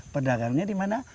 perdagangannya di mana